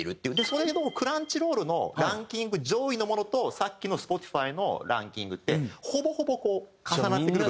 それのクランチロールのランキング上位のものとさっきのＳｐｏｔｉｆｙのランキングってほぼほぼこう重なってくる部分が。